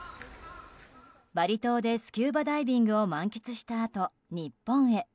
バリ島でスキューバダイビングを満喫したあと日本へ。